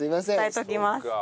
伝えておきます。